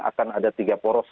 akan ada tiga poros